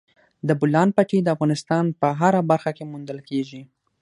د بولان پټي د افغانستان په هره برخه کې موندل کېږي.